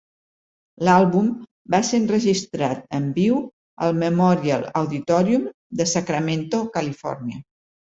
L'àlbum va ser enregistrat en viu al Memorial Auditorium de Sacramento, Califòrnia.